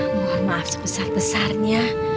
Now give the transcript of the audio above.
mohon maaf sebesar besarnya